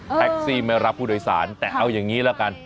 แท็กซี่ไม่รับผู้โดยสารแต่เอาอย่างนี้ละกัน